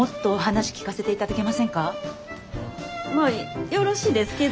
まあよろしですけど。